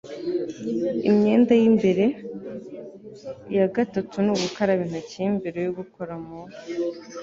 imyenda y'imbere. iya gatatu ni ugukaraba intoki mbere yo gukora mu